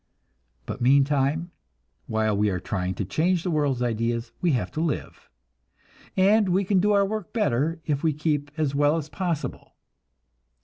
But meantime, while we are trying to change the world's ideas, we have to live, and we can do our work better if we keep as well as possible.